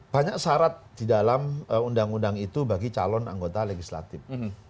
banyak syarat di dalam undang undang itu bagi calon anggota legislatif